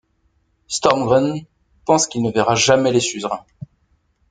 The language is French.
Stormgren pense qu'il ne verra jamais les Suzerains.